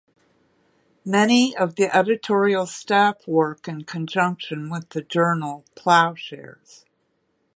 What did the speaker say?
Many of the editorial staff work in conjunction with the journal "Ploughshares".